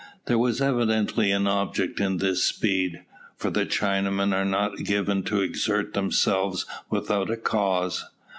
There was evidently an object in this speed, for the Chinamen are not given to exert themselves without a cause.